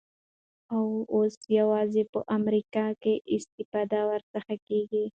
او اوس یوازی په امریکا کي استفاده ورڅخه کیږی